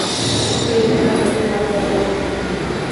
এ জাহাজে আবার বরফও নেই।